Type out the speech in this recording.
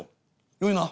よいな？」。